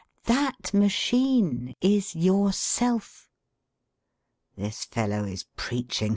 That machine is yourself. 'This fellow is preaching.